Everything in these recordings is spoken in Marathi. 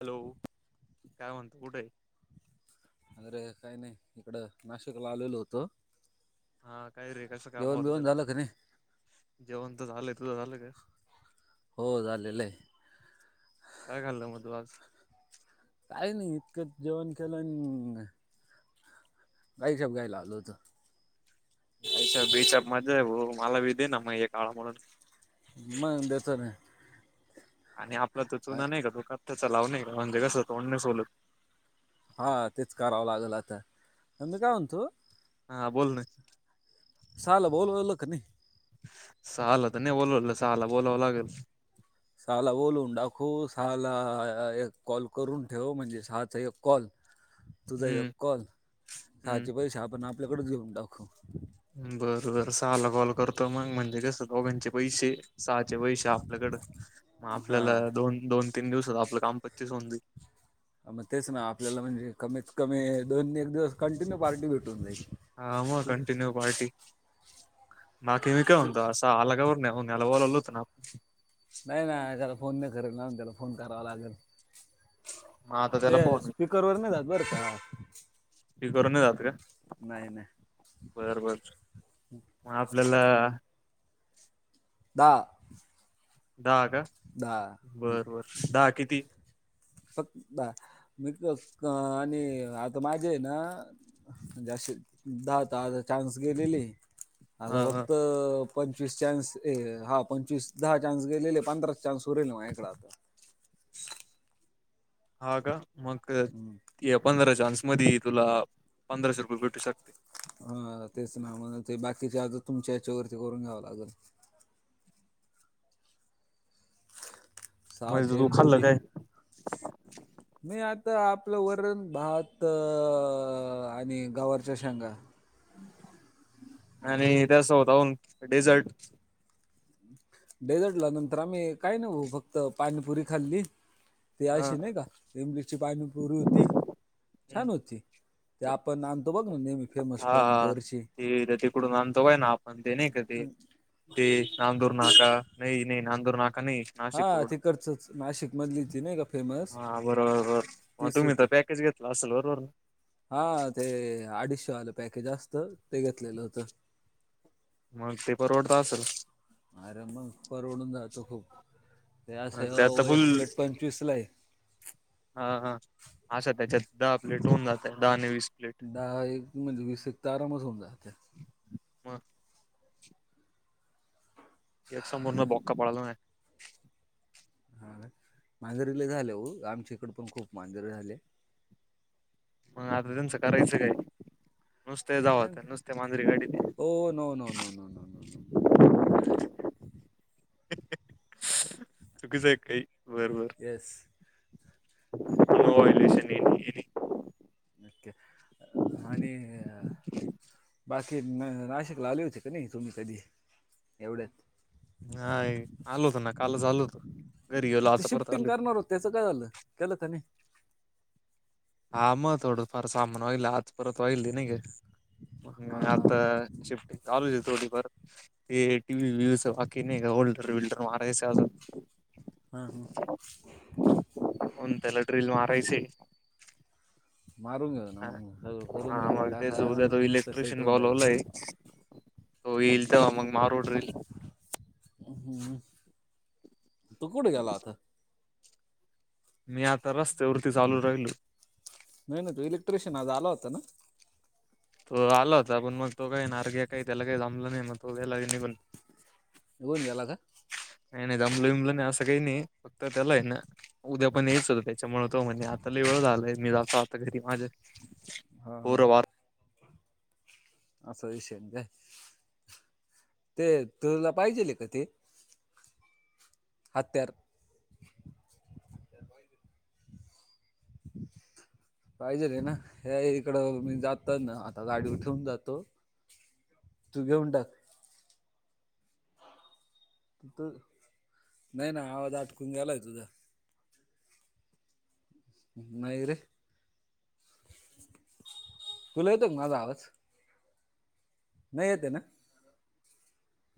हॅलो काय म्हणतो कुठेस? अरे काही नाही इकडं नाशिकला आलेलो होतो. हा काय रे कस जेवण बिवण कामाबद्दल झालं का नाही जेवण तर झालंय. तुझ झालंय का? हो झालेलंये. काय खाल्लं मग तू आज? काही नाही उप्पीट जेवण केलं आणि काही [unintelligible] घायला आल होतो मी. [unintelligible] मग देतो ना. आणि आपला तो चुना नाही का तो कचा लावू नाही का म्हणजे कसं तोंड नाय सोलत. हा तेच करावं लागेल आता मी काय म्हणतो हा बोल ना. सहाला बोलवल का नाही? सहाला तर नाही बोलल सहाला बोलवाव लागल. सहाला बोलून दाखवू सहाला अ एक अ कॉल करून ठेव म्हणजे सहाचा एक कॉल तुझा एक हम्म कॉल हम्म साचे पैसे आपण आपल्याकडेच घेऊन टाकू बर बर सहाला कॉल करतो मग म्हणजे कस दोघांचे पैसे सहाचे पैसे आप आपल्याकड मग हा आपल्याला दोन दोन तीन दिवस आपलं काम पच्चीस होऊन जाईल. मग तेच ना आपल्याला म्हणजे कमीत कमी दोन एक दिवस कंटिन्यू पार्टी भेटून जाईल. कंट्यूनू पार्टी बाकी मी काय तू- म्हणतो असा आला का त्याला बोलवल होत ना आपण नाही ना त्याला फोन नाही करेल त्यान त्याला फोन करावा लागल. मग आता ते त्याला फोन स्पीकर वर नाही जात बरं का. घरून नाही जात का? नाही नाही बर बर मग आपल्याला दा दहा का हं. बर बर दहा किती? फक्त दहा बिकाॅज अ आणि आता माझे आहे ना जाशील दहा दहाचा चान्स गेलेलेये हा आता हा फक्त पंचवीस चान्स ए हा पंचवीस दहा चान्स गेलेले पंधरा चान्स उरेल माझ्याकड आता हा का मग या पंधरा चान्स मधी तुला पंधराशे रुपये भेटू शकतात. हा तेच ना म्हण ते बाकीची आज तुमच्या याच्यावरती करून घ्यावं लागल. मघाशी सहाचे तु आणि खाल्लं तुझे काय? [inaudible] मी आता आपलं वरण भात अअअ आणि गवारीच्या शेंगा. आणि त्या स्वतः हून डेझर्ट डेझर्टला नंतर आम्ही काय नाही भाऊ फक्त पाणीपुरी खाल्ली ते हा अशी नाही का रिमलची पाणीपोरी होती हम्म. छान होती ते आपण आणतो बघ नेहमी. फेमस पॉईंट हा वरची. ती तिकडून आणतो काय ना आपण ते नाही का ते. ते नांदूर नाका नाही, नाही नांदूर नाका नाही. नाशिक हा रोड, तिकडचंच नाशिक मधली ती नाही का फेमस हा बरोबर तीच तुम्ही होती. तर पॅकेज घेत क्लास वरूण. हा ते अडीचशेवालं पॅकेज असत ते घेतलेलं होतं. मग ते [unintelligible] आर मग परवडून जातो खूप. त्यास त्यात तर एक फुल प्लेट पंचवीस लाये. हा हा असा त्याच्यात दहा प्लेट होऊन जातय दहा आणि वीस प्लेट. दहा एक म्हणजे वीस एक तर आरामच होऊन जात. हा. एक संमोरून बॉका पळाला नाय. हा मांजरीले झाले हो आमच्या इकड पण खूप मांजरे झाले. मग आता त्यांचं करायचं काय? नुसते जावत नुसते्या मांजरी गाडी. ओ no no no no no no no चुकीच आहे काही, बरबर. तेस. त होलश [unintelligible] [unintelligible] आणि. बाकी नाशिकला आले होते का नाही तुम्ही कधी एवढ्यात? नाहीा आलो होत ना कालच आलो होत, घरी गेलो आता परत आले. त्याच काय झालं? केलं त्यानी. हा मग थोडंफार सामान वाईल आज परत वाईल नाही ग हा हा आता. शिफ्टिंग चालूये थोडीफार. ते टी, सोफा की नी होल्डर वर माझं. हा हं. हों त्याला ड्रिल मारायचं ये. मारून घेऊ ना हा मग सगळं करून घेऊ मग ते टाका जोद्या तो मस्त सेट इलेक्ट्रिशियन होऊन जायचं बोलवलय. तो इल तेव्हा मग मारू ड्रिल. हम्, तू कुठे गेला? मी आता रस्त्यावरती चालू राहिलो. नाही ना तो इलेक्ट्रिशिन आज आला होता ना? तो आलो होता पण मग तो काही नारगे काही त्याला काही जमलं नाही मग तो गेला निघून. निघुन गेला काय? नाही नाही जमलं-विमलं नाही असं काही नाही फक्त त्याला आहे ना उद्या पण याच होत. [unintelligible] होतो म्हण आता लय वेळ झालंय मी जातो आता घरी माझं. हा हा. असा विषय, ते तुला पाहिजेल का ते? हत्या [unintelligible] [inaudible] पाहिजेल ना? हे इकडं मी जाताना आता गाडीवर ठेवून जातो. तू घेवून टाक. नाही ना आवाज आटकून गेलाय तुझा. नाही रे, तुला येतो का माझा आवाज? नाय येत ये न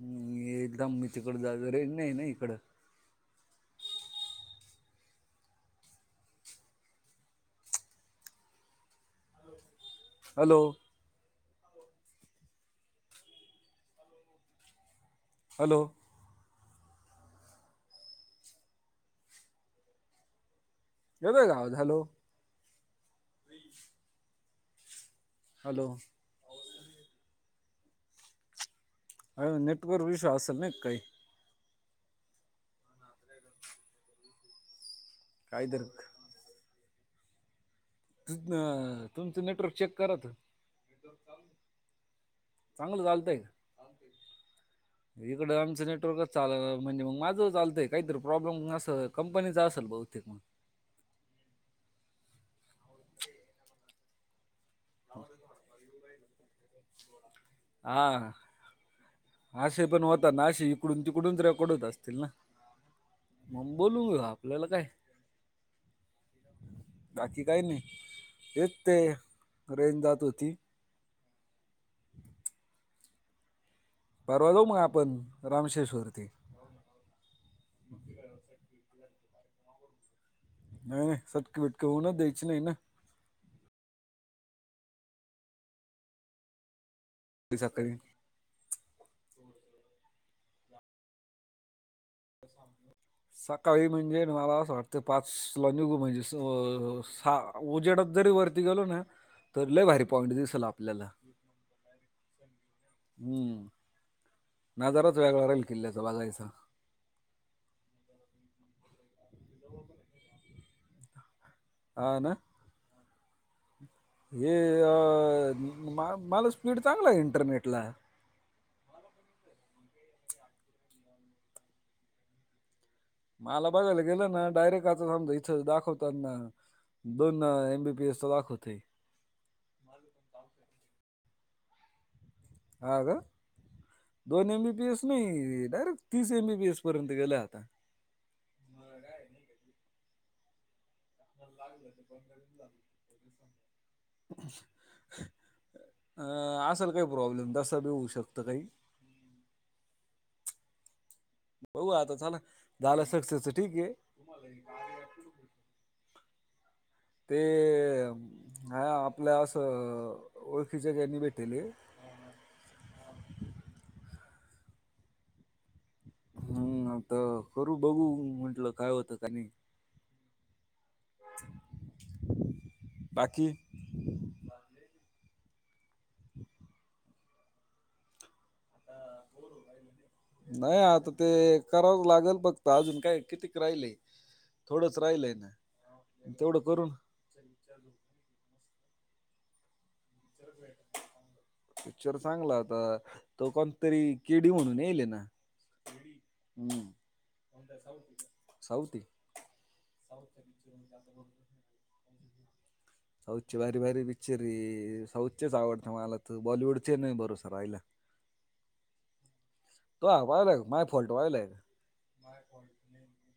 हूं एकदम मी तिकडं जातो रेंज नाय न इकडं हॅलो हॅलो येतोय का आवाज हॅलो हॅलो हाय म नेटवर्क इशू असल नाय क काई कायतर तितना तुमचं नेटवर्क चेक करा त, नेटवर्क चालू ये चांगलं चालतंय क चालतंय इकडं आमचं नेटवर्कच चालना म्हणजे मग माझं चालतंय कायतर प्रॉब्लेम असल कंपनीचा असल बहुतेक म आवाज येतो हा असे पण होता ना असे इकडून तिकडून रेकॉर्ड होत असतील ना मंग बोलू आपल्याला काय बाकी काय नाय हेच ते रेंज जात होती. परवा जाऊ मग आपण रामशेष वरती नाय नाय सटकी बिटकी होऊनच द्याची नाही ना ते सकाळी सकाळी म्हणजे न मला असं वाटतंय पाच ला निघू म्हणजे स अ सहा उजेडात जरी वरती गेलो ना तर लय भारी पॉईंट दिसल आपल्याला हुं नजाराच वेगळा राहील किल्ल्याचा बघायचा. हा ना हे अअ मा मला स्पीड चांगला ये इंटरनेटला मला बघायला गेलं ना डायरेक्ट आता समजा इथं दाखवतांना दोन एम बी पी एस ला दाखवतय. [unintelligible] हां का दोन एम बी पी एस नाही डायरेक्ट तीस एम बी पी एस पर्यंत गेलय आता [unintelligible] अ असंल काही प्रॉब्लेम तसा बी होऊ शकतं काही बघू आता चला झाला सक्सेस त ठीक ये. [unintelligible] ते हाय आपल्या असं ओळखीच्या गनी भेटेलले. हम्मं आता करू बघू म्हंटलं काय होतं का नई बाकी आता बोर होऊ रायलं. नाय आता ते करावंच लागल फक्त अजून काय कितीक राहिले. थोडंच राहिलय न म तेवढं करू [unintelligible] झोप [unintelligible] पिक्चर चांगला होता तो कोणतरी केडी म्हणून यायले ना केडी हं कोणताय साऊथ ये का साऊथ ये साऊथचा पिक्चर म्हणजे असं [unintelligible] साऊथ चे भारी भारी पिक्चर ये साऊथ चेच आवडतं मला त बॉलिवूडचे नाय भरोसा राहिला. तुवा व्हायला का माआ फॉल्ट व्हायलाय का [inaudible]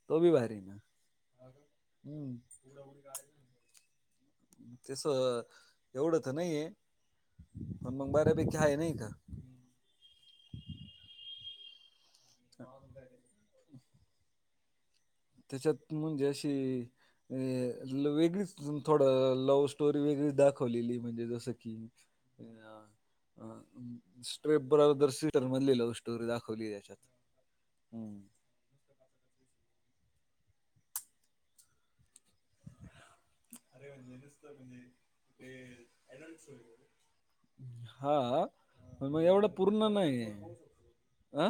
[unintelligible] तसं, एवढं तं नाहीये, पणं मग बऱ्यापैकी आहे नाही का? [inaudible] [inaudible] त्याच्यात म्हणजे अशी अ वेगळीचं थोडं, लव्हं स्टोरी वेगळीचं दाखवलेली, म्हणजे जसं की [unintelligible] [inaudible] स्ट्रेप बा्बौ्दर म्हणली लव्ह स्टोरी दाखवली त्याच्यात. हम्म! अरे म्हणजे नुसत म्हणजे [unintelligible] हां, मग पण एवढं पूर्ण नाहीय, आ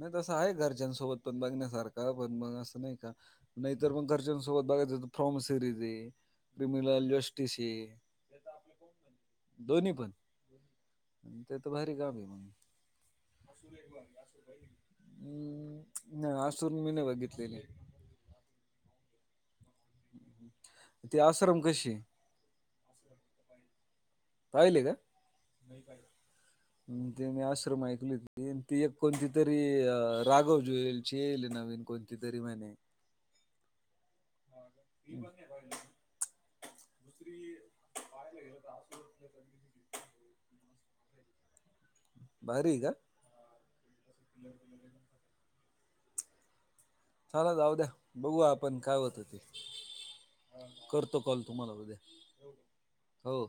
नाही तसं आहे, घरचानंसोबत पण बघण्यासारखं, पण मगं असं नाही का नाहीतरं मगं घरच्यांसोबत बघायचं, फ्रॉम सिरीज ये. क्रिमिलालं जेस्टीसं ये. दोन्ही पणं, त्यात भारी कामं [unintelligible] नाही, असून मी नाही बघितलेली. ती आश्रम कशी पाहिले का? ते मी आश्रम ऐकले होती, ती एक कोणती तरी, राघव जुलची येलं नवीनं कोणती कोणती तरी म्हणे [unintelligible] [inaudible] [unintelligible] [inaudible] भारीये का? [inaudible] चालां जाऊ द्या, बघूं आपण कायं होत ते करतो कॉलं तुम्हाला उद्या, हो.